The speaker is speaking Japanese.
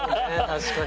確かに。